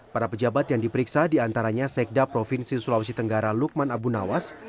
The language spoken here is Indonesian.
para pejabat yang diperiksa diantaranya sekda provinsi sulawesi tenggara lukman abu nawas